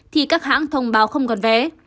thì các hãng thông báo không còn vé